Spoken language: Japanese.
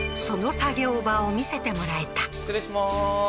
その作業場を見せてもらえた失礼しまーす